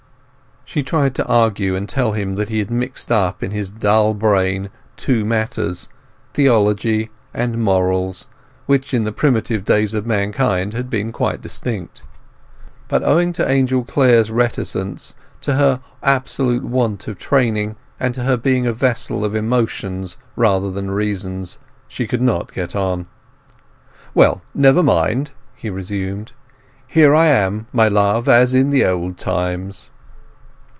She tried to argue, and tell him that he had mixed in his dull brain two matters, theology and morals, which in the primitive days of mankind had been quite distinct. But owing to Angel Clare's reticence, to her absolute want of training, and to her being a vessel of emotions rather than reasons, she could not get on. "Well, never mind," he resumed. "Here I am, my love, as in the old times!"